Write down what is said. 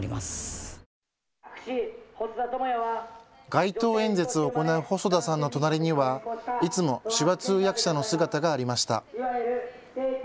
街頭演説を行う細田さんの隣にはいつも手話通訳者の姿がありました。